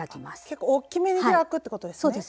結構おっきめに開くってことですね。